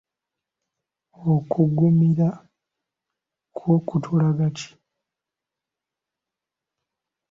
Okuggumira kwo tukulaga ki?